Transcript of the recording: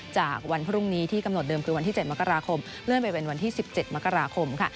จากวันพรุ่งนี้ที่กำหนดเดิมคือวันที่๗มกราคมเลื่อนไปเป็นวันที่๑๗มกราคมค่ะ